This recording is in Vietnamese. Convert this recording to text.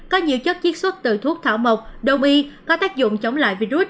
có nhiều chất chiết xuất từ thuốc thảo mộc đông y có tác dụng chống lại virus